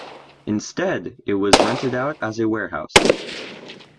Instead it was rented out as a warehouse.